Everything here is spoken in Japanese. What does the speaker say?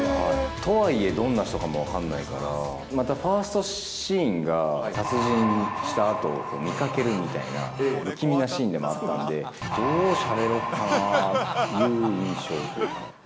とはいえどんな人かも分かんないから、またファーストシーンが、殺人したあと、見かけるみたいな不気味なシーンでもあったんで、どうしゃべろっかなーっていう印象だったかな。